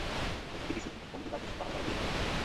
একদিকে ডিসি, অন্যদিকে আপনি শুধু বাহানা বানাতেই থাকেন।